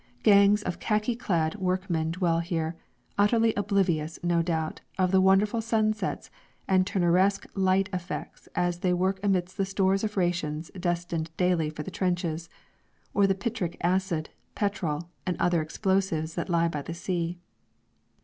Gangs of khaki clad workmen dwell here, utterly oblivious, no doubt, of the wonderful sunsets and Turneresque light effects as they work amidst the stores of rations destined daily for the trenches, or the picric acid, petrol and other explosives that lie by the sea.